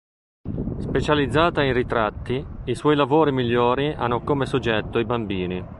Specializzata in ritratti, i suoi lavori migliori hanno come soggetto i bambini.